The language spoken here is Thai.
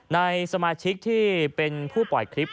ในสมาชิกที่เป็นผู้ปล่อยคลิป